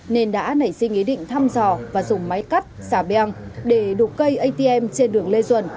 nên đã nảy sinh ý định thăm dò và dùng máy cắt xả beng để đục cây atm trên đường lê duẩn